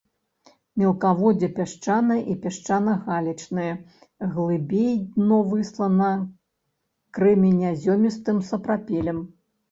Мелкаводдзе пясчанае і пясчана-галечнае, глыбей дно выслана крэменязёмістым сапрапелем.